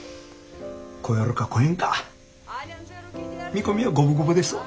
超えるか超えんか見込みは五分五分ですわ。